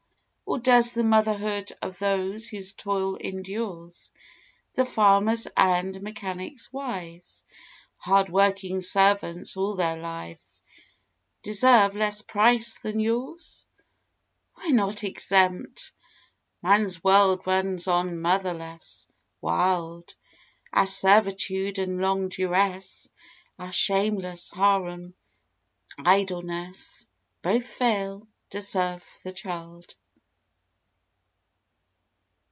Or does the motherhood of those Whose toil endures, The farmers' and mechanics' wives, Hard working servants all their lives Deserve less price than yours? We're not exempt! Man's world runs on, Motherless, wild; Our servitude and long duress, Our shameless, harem idleness, Both fail to serve the child.